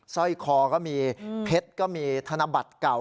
สร้อยคอก็มีเพชรก็มีธนบัตรเก่า